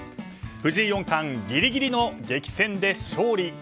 藤井四冠、ギリギリの激戦で勝利。